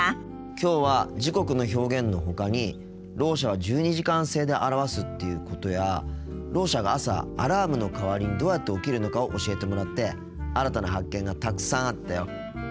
きょうは時刻の表現のほかにろう者は１２時間制で表すっていうことやろう者が朝アラームの代わりにどうやって起きるのかを教えてもらって新たな発見がたくさんあったよ。